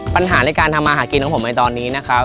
ปัญหาในการทำมาหากินของผมในตอนนี้นะครับ